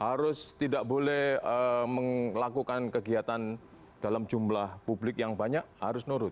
harus tidak boleh melakukan kegiatan dalam jumlah publik yang banyak harus nurut